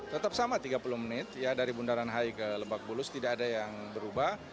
tetap sama tiga puluh menit ya dari bundaran hi ke lebak bulus tidak ada yang berubah